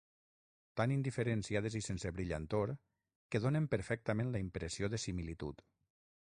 Tan indiferenciades i sense brillantor, que donen perfectament la impressió de similitud.